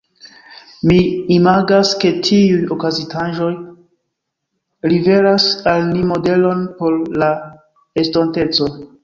Mi imagas ke tiuj okazintaĵoj liveras al ni modelon por la estonteco.